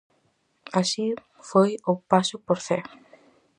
Así foi o paso por Cee.